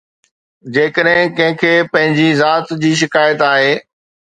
جيڪڏهن ڪنهن کي پنهنجي ذات جي شڪايت آهي.